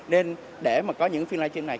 nên để mà có những phiên live stream này